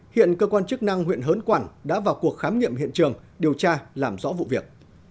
hiện cơ quan chức năng huyện hớn quản đã vào cuộc khám nghiệm hiện trường điều tra làm rõ vụ việc